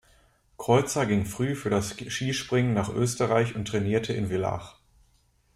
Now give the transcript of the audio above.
Kreuzer ging früh für das Skispringen nach Österreich und trainierte in Villach.